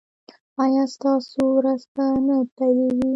ایا ستاسو ورځ به نه پیلیږي؟